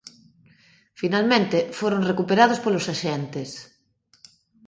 Finalmente foron recuperados polos axentes.